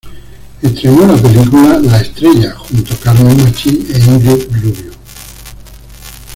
Estrenó la película "La estrella", junto a Carmen Machi e Íngrid Rubio.